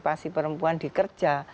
partisi perempuan di kerja